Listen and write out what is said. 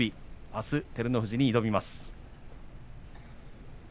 あす照ノ富士に挑みます。